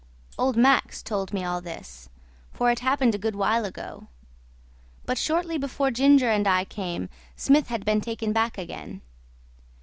Old Max told me all this, for it happened a good while ago; but shortly before Ginger and I came Smith had been taken back again.